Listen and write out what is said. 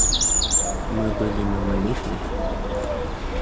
Мы были на молитве.